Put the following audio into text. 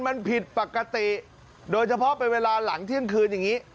มันผิดปกติโดยเฉพาะเป็นเวลาหลังเที่ยงคืนอย่างนี้